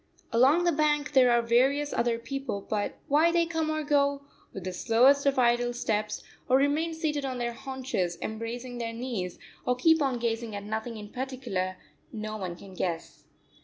Along the bank there are various other people, but why they come or go, with the slowest of idle steps, or remain seated on their haunches embracing their knees, or keep on gazing at nothing in particular, no one can guess.